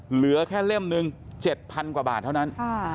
เหลือแค่เล่มหนึ่ง๗๐๐กว่าบาทเท่านั้น